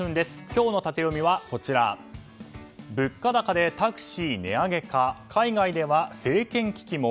今日のタテヨミは物価高でタクシー値上げか海外では政権危機も。